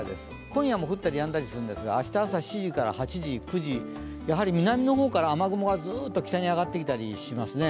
今夜も降ったりやんだりするんですが、明日の朝７時からやはり南の方から雨雲がずっと北に上がってきたりしますね。